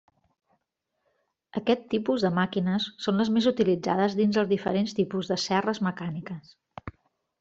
Aquest tipus de màquines són les més utilitzades dins dels diferents tipus de serres mecàniques.